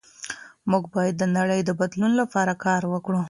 موږ باید د نړۍ د بدلون لپاره کار وکړو.